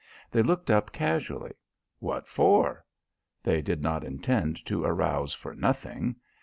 They looked up casually. "What for?" They did not intend to arouse for nothing.